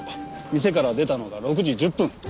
店から出たのが６時１０分。